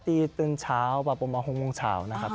ปกติตื่นเช้าประมาณ๖โมงเช้า